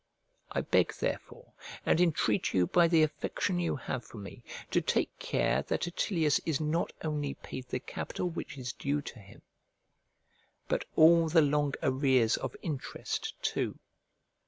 I beg therefore, and entreat you by the affection you have for me, to take care that Attilius is not only paid the capital which is due to him, but all the long arrears of interest too.